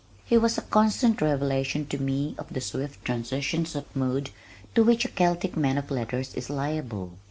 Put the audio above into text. He was a constant revelation to me of the swift transitions of mood to which a Celtic man of letters is liable.